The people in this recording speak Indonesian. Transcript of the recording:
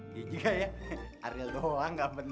dia juga ya arief doang gak penting